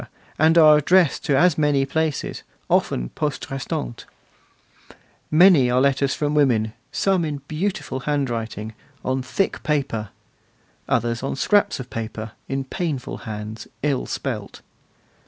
and are addressed to as many places, often poste restante. Many are letters from women, some in beautiful handwriting, on thick paper; others on scraps of paper, in painful hands, ill spelt.